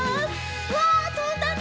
うわとんだね。